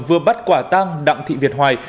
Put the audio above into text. vừa bắt quả tăng đặng thị việt hoài